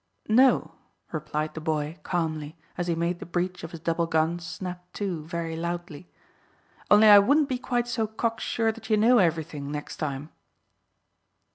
"No," replied the boy calmly, as he made the breech of his double gun snap to very loudly; "only I wouldn't be quite so cocksure that you know everything, next time."